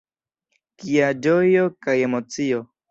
Kia ĝojo kaj emocio!